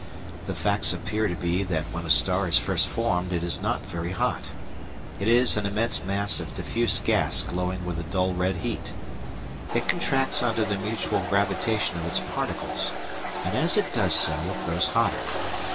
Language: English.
The facts appear to be that when a star is first formed it is not very hot. It is an immense mass of diffuse gas glowing with a dull red heat. It contracts under the mutual gravitation of its particles, and as it does so it grows hotter.